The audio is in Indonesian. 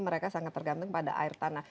mereka sangat tergantung pada air tanah